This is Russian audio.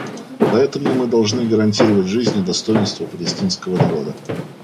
Поэтому мы должны гарантировать жизнь и достоинство палестинского народа.